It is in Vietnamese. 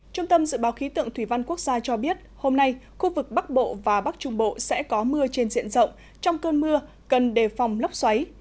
trung tâm dự báo khí tượng thủy văn quốc gia cho biết hôm nay khu vực bắc bộ và bắc trung bộ sẽ có mưa trên diện rộng trong cơn mưa cần đề phòng lốc xoáy